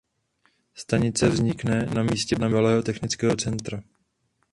Stanice vznikne na místě bývalého technického centra.